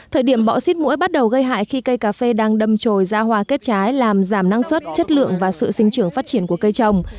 thời điểm bọ xít mũi bắt đầu gây hại khi cây cà phê đang đâm trồi ra hoa kết trái làm giảm năng suất chất lượng và sự sinh trưởng phát triển của cây trồng